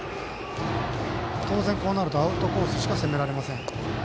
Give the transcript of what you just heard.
当然こうなるとアウトコースしか攻められません。